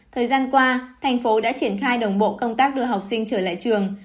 thời gian qua thành phố đã triển khai đồng bộ công tác đưa học sinh trở lại trường